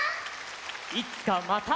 いつかまた。